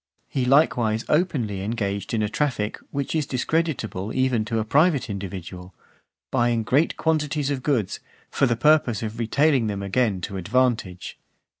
He likewise openly engaged in a traffic, which is discreditable even to a private individual, buying great quantities of goods, for the purpose of retailing them again to advantage.